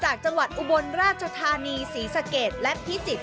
ชาวจังหวัดอุบลราชธานีศรีสะเกตและภิสิทธิ์